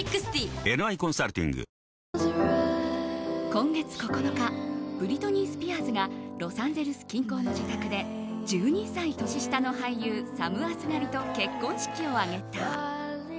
今月９日ブリトニー・スピアーズがロサンゼルス近郊の自宅で１２歳年下の俳優サム・アスガリと結婚式を挙げた。